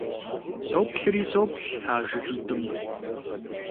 Соплъри соплъ а жыгитӀым.